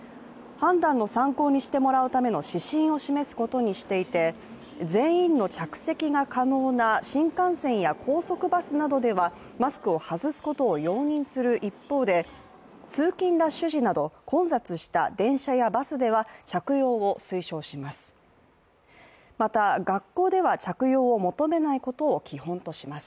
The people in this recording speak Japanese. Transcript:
判断の参考にしてもらうための指針を示すことにしていて、全員の着席が可能な新幹線や高速バスなどではマスクを外すことを容認する一方で通勤ラッシュ時など混雑した電車やバスでは着用を推奨します。